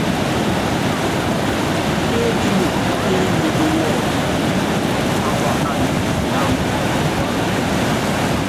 Pétúnuku kéenyimbí kitikiti wɔ́ɔ́pú ákuákána iŋámb.